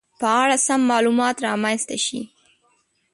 په اړه سم معلومات رامنځته شي